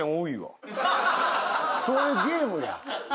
そういうゲームや。